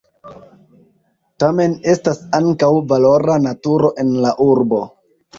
Tamen estas ankaŭ valora naturo en la urbo.